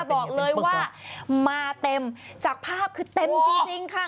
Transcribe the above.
บอกเลยว่ามาเต็มจากภาพคือเต็มจริงค่ะ